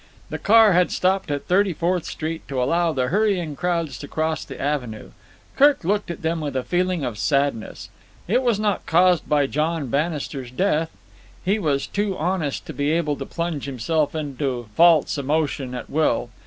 The car had stopped at Thirty Fourth Street to allow the hurrying crowds to cross the avenue. Kirk looked at them with a feeling of sadness. It was not caused by John Bannister's death. He was too honest to be able to plunge himself into false emotion at will.